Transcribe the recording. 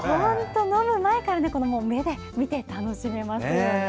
飲む前から目で見て楽しめますよね。